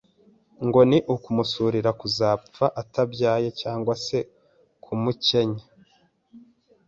ngo ni ukumusurira kuzapfa atabyaye cyangwa se kumukenya